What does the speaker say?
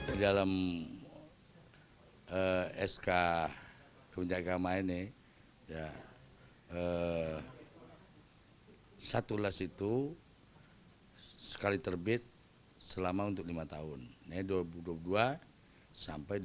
di dalam sk kementerian agama ini satu las itu sekali terbit selama untuk lima tahun dua ribu dua puluh dua sampai dua ribu dua puluh empat